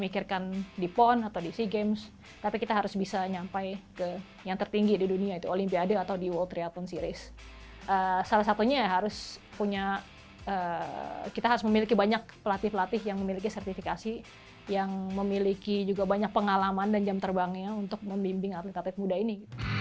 salah satunya harus punya kita harus memiliki banyak pelatih pelatih yang memiliki sertifikasi yang memiliki juga banyak pengalaman dan jam terbangnya untuk membimbing atlet atlet muda ini